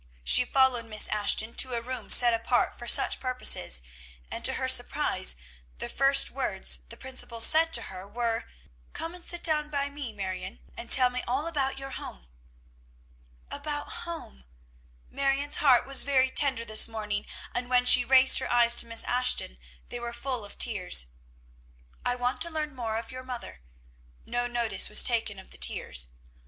She followed Miss Ashton to a room set apart for such purposes; and, to her surprise, the first words the principal said to her were, "Come and sit down by me, Marion, and tell me all about your home!" "About home!" Marion's heart was very tender this morning, and when she raised her eyes to Miss Ashton, they were full of tears. "I want to learn more of your mother," no notice was taken of the tears.